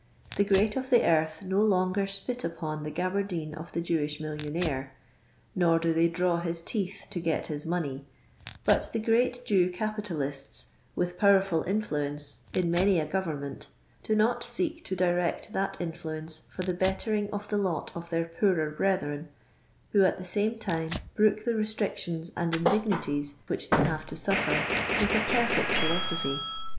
The great of the earth no longer spit upon the gabardine of the Jewish millionaire, nor do they draw his teeth to get his money, but the great Jew capitaliste, with powerful infloenoe in LOND02r LABOUR AN1> TBB LONDOlf POOR. 127 many a gotetinnexit, do not seek to direct that in ilaenca for the bettering of the lot of their poorer brethren, who, at the same time, hmok the re •tricEioni and indignities which tliey have to lulTer with a perfect philosophy.